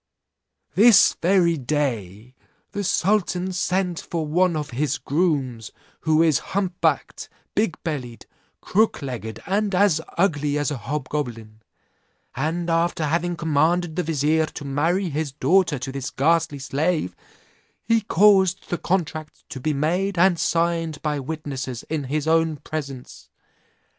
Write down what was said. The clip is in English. "This very day the sultan sent for one of his grooms, who is hump backed, big bellied, crook legged, and as ugly as a hobgoblin; and after having commanded the vizier to marry his daughter to this ghastly slave, he caused the contract to be made and signed by witnesses in his own presence.